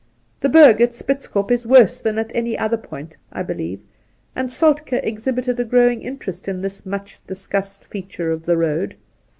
The Berg at Spitz Kop is worse than at any other point, I believe, and Soltke exhibited a growing interest in this much discussed feature of the road.